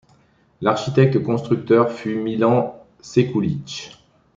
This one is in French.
L'architecte constructeur fut Milan Sekulić.